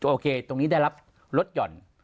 โอเคตรงนี้ได้รับลดหย่อน